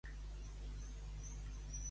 Què li va fer aquest a Hipodamia?